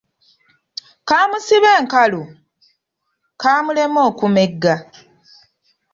Kaamusiba enkalu, kaamulema okumegga.